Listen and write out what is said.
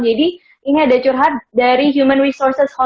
jadi ini ada curhat dari human resource network